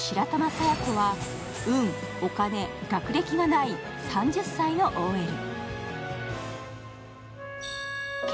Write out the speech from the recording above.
佐弥子は運、お金、学歴がない３０歳のＯＬ。